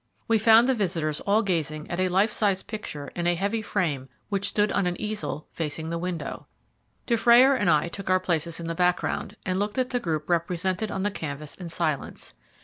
We found the visitors all gazing at a life sized picture in a heavy frame which stood on an easel facing the window. Dufrayer and I took our places in the background, and looked at the group represented on the canvas in silence.